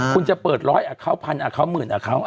คุณจะเปิดร้อยอาคาวพันอาคาวหมื่นอาคาว